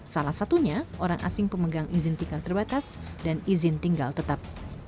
salah satunya orang asing pemegang izin tinggal terbatas dan izin tinggal tetap